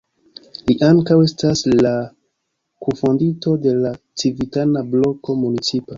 Li ankaŭ estas la kunfondinto de la Civitana Bloko Municipa.